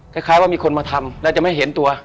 คล้ายว่ามีคนมาทำแล้วจะไม่เห็นตัว